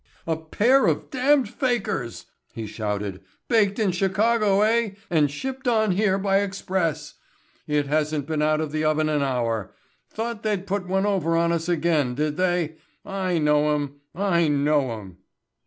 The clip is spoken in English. "A pair of damned fakirs," he shouted. "Baked in Chicago, eh, and shipped on here by express! It hasn't been out of the oven an hour. Thought they'd put one over on us again, did they? I know 'em. I know 'em."